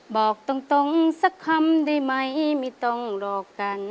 บอกตรงสักคำได้ไหมไม่ต้องรอกัน